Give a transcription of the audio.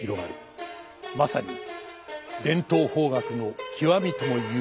まさに伝統邦楽の極みともいうべき作品。